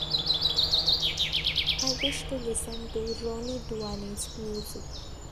I wish to listen to Roni Duani 's music.